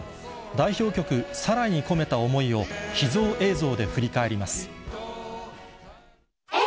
代表曲、サライに込めた思いを、秘蔵映像で振り返ります。